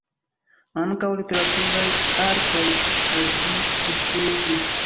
Ankaŭ literaturaj artoj el ĝi inspiriĝis.